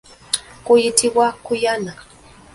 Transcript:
Kuyitibwa kuyana.